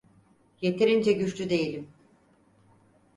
Yeterince güçlü değilim.